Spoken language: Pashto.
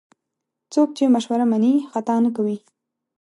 څوک چې مشوره مني، خطا نه کوي.